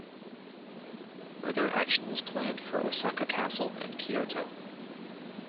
Further action was planned for Osaka Castle and Kyoto.